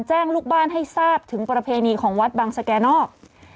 ลูกบ้านให้ทราบถึงประเพณีของวัดบังสแก่นอก